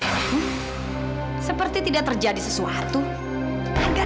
gimana mereka bisa bernyanyi buat pidul jadinya akan mengkubayakan alkoria